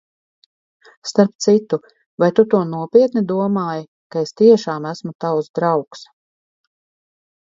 Starp citu, vai tu to nopietni domāji, ka es tiešām esmu tavs draugs?